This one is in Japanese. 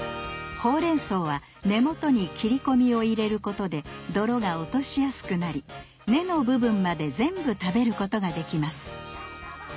ほうれんそうは根元に切り込みを入れることで泥が落としやすくなり根の部分まで全部食べることができます。